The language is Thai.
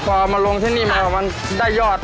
พอมาลงที่นี่มามันได้ยอด